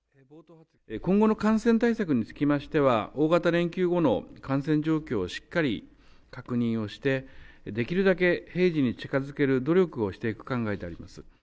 今後の感染対策につきましては、大型連休後の感染状況をしっかり確認をして、できるだけ平時に近づける努力をしていく考えであります。